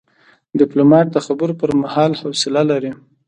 ډيپلومات د خبرو پر مهال حوصله لري.